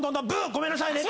「ごめんなさいね」